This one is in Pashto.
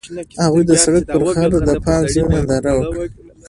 هغوی د سړک پر غاړه د پاک زړه ننداره وکړه.